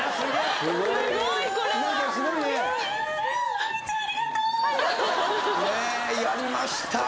ほなみちゃんありがとう！ねえやりました。